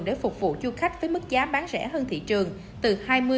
để phục vụ du khách với mức giá bán rẻ hơn thị trường từ hai mươi ba mươi